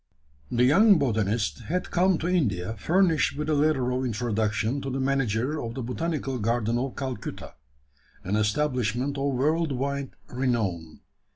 The young botanist had come to India furnished with a letter of introduction to the manager of the Botanical Garden of Calcutta an establishment of world wide renown.